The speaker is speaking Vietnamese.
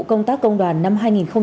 công tác công đoàn năm hai nghìn hai mươi